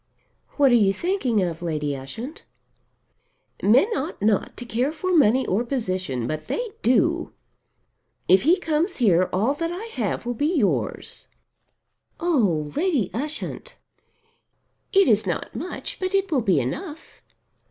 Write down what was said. "What are you thinking of, Lady Ushant?" "Men ought not to care for money or position, but they do. If he comes here, all that I have will be yours." "Oh, Lady Ushant!" "It is not much but it will be enough."